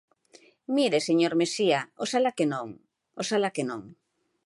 Mire, señor Mexía, oxalá que non, oxalá que non.